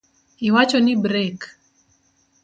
Iwacho ni brek?